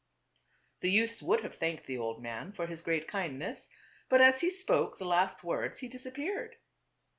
The youths would have thanked the old mail for his great kindness, but as he spoke the last words he disappeared.